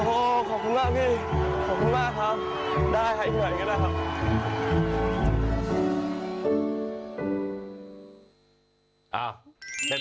เรื่องของน้ำใจคน